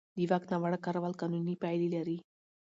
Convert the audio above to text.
د واک ناوړه کارول قانوني پایلې لري.